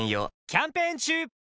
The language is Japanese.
キャンペーン中！